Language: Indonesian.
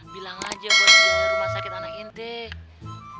bilang aja buat biaya rumah sakit anak lo